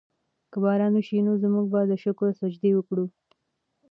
که باران وشي نو موږ به د شکر سجدې وکړو.